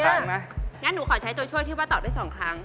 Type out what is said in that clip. งั้นหนูขอใช้ตัวช่วยที่ว่าตอบได้๒ครั้ง